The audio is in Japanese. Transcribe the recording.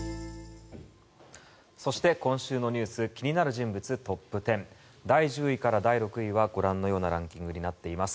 そして今週の気になる人物トップ１０第１０位から第６位はご覧のようなランキングになっています。